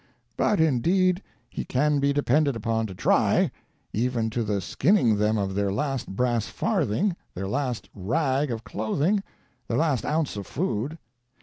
But, indeed, he can be depended upon to try, even to the skinning them of their last brass farthing, their last rag of clothing, their last ounce of food.